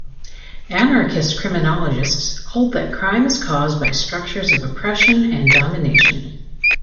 Anarchist criminologists hold that crime is caused by structures of oppression and domination.